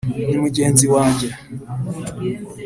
ni mugenzi wanjye.